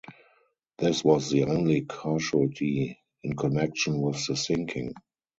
This was the only casualty in connection with the sinking.